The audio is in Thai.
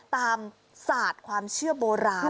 ตามศาสตร์ความเชื่อโบราณ